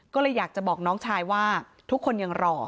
ก็เลยอยากจะบอกน้องชายว่าทุกคนยังรอ